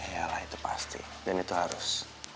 yalah itu pasti dan itu harus